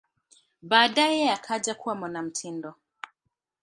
Baadaye akaja kuwa mwanamitindo.